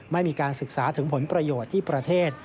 ไม่มีการศึกษาถึงผลประโยชน์ที่ประเทศ